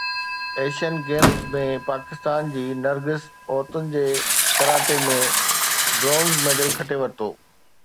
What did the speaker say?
Asian Games ۾ Pakistan جي نرگس عورتن جي ڪراٽي ۾ برونز ميڊل کٽي ورتو